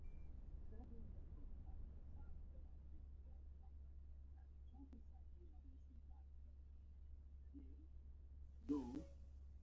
د هغې د ارزولو لپاره کومه روښانه وسیله نشته.